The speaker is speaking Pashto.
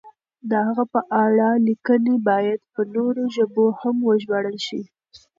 د هغه په اړه لیکنې باید په نورو ژبو هم وژباړل شي.